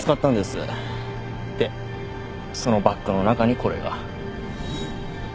でそのバッグの中にこれが。